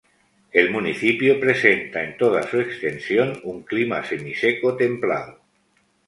El municipio presenta en toda su extensión un clima Semiseco templado.